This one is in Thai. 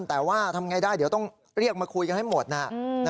แต่ว่าทำไงได้เดี๋ยวต้องเรียกมาคุยกันให้หมดนะ